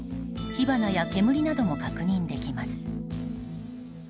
火花や煙なども確認できます。